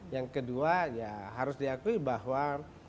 yang kedua ya harus diakui bahwa